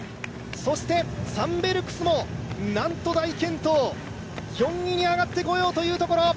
そして、サンベルクスもなんと大健闘４位に上がってこようというところ。